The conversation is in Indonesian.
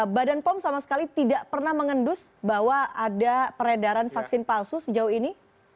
badan pom sama sekali tidak pernah mengendus bahwa ada peredaran vaksin palsu sejauh ini